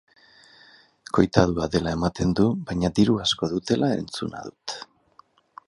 Koitadua dela ematen du baina diru asko dutela entzuna dut.